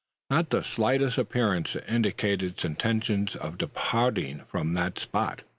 Not the slightest appearance to indicate its intention of departing from the spot.